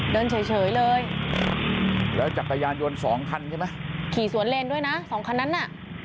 เดินเฉยเฉยเลยแล้วจักรยานยนต์สองคันใช่ไหมขี่สวนเลนด้วยนะสองคันนั้นน่ะ